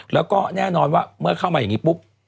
แล้วก็แน่นอนว่าเมื่อเข้ามาอย่างนี้ปุ๊บ